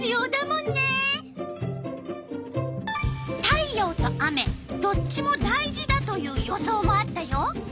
太陽と雨どっちも大事だという予想もあったよ。